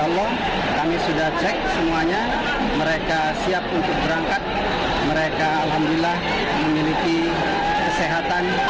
tolong kami sudah cek semuanya mereka siap untuk berangkat mereka alhamdulillah memiliki kesehatan